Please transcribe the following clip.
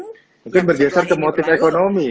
mungkin berdasarkan motif ekonomi